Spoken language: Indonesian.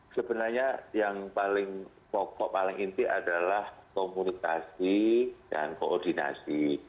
sebenarnya yang paling pokok paling inti adalah komunikasi dan koordinasi